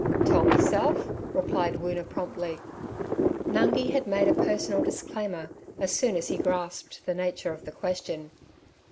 'Tole meself' replied Woona promptly. Nungi had made a personal disclaimer as soon as he grasped the nature of the question.